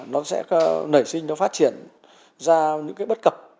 nó sẽ nảy sinh phát triển ra những bất cập